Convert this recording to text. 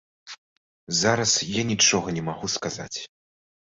Зараз я нічога не магу сказаць.